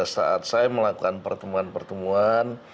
saat saya melakukan pertemuan pertemuan